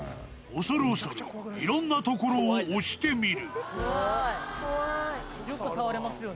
恐る恐るいろんな所を押してみる。